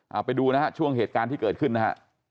เอาไปดูนะฮะช่วงเหตุการณ์ที่เกิดขึ้นนะฮะ